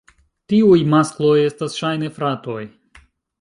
Tiuj maskloj estas ŝajne fratoj.